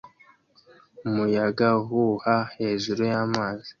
Umuyaga uhuha hejuru y'amazi